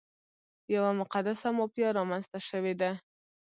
یوه مقدسه مافیا رامنځته شوې ده.